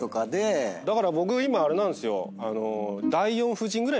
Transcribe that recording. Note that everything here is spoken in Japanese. だから僕今あれなんですよ。